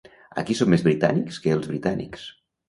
Aquí som més britànics que els britànics.